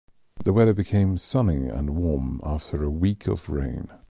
The weather became sunny and warm after a week of rain.